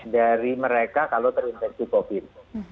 dari mereka kalau terinfeksi covid